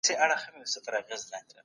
مایکرو فلم ریډر له ساینس څخه جوړ سوی دی.